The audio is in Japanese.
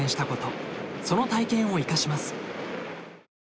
その体験を生かします。